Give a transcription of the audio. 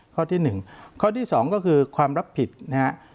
ข้อที่หนึ่งข้อที่สองก็คือความรับผิดนะครับ